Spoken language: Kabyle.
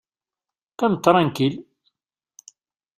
Qqim tṛankil!